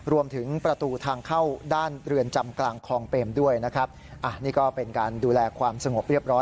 รวมถึงประตูทางเข้าด้านเรือนจำกลางคลองเปมด้วยนะครับอ่ะนี่ก็เป็นการดูแลความสงบเรียบร้อย